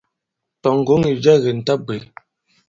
Tɔ̀ ŋgǒŋ ì jɛ kì mɛ̀ ta bwě.».